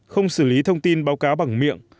không xử lý thông tin báo cáo bằng miệng